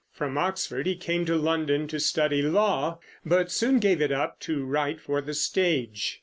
From Oxford he came to London to study law, but soon gave it up to write for the stage.